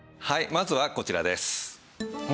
まずはこちらです。